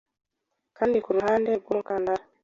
Kandi kuruhande rwumukandara